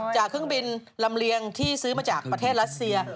เครื่องบินลำเลียงที่ซื้อมาจากประเทศรัสเซีย